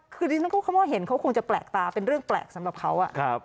คือดิฉันก็คำว่าเห็นเขาคงจะแปลกตาเป็นเรื่องแปลกสำหรับเขา